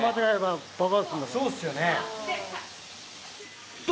そうっすよね。と！